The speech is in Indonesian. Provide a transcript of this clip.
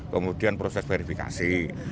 kemudian proses verifikasi